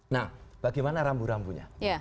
nah bagaimana rambu rambunya